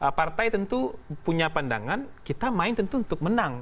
karena partai tentu punya pandangan kita main tentu untuk menang